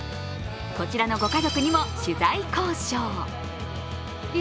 こちらのご家族にも取材交渉。